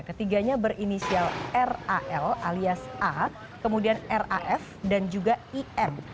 ketiganya berinisial ral alias a kemudian raf dan juga im